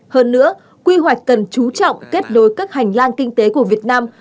hơn nữa quy hoạch cần chú trọng kết nối các hành lang kinh tế của việt nam